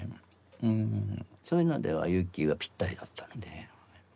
そういうのではＹＵ−ＫＩはぴったりだったので。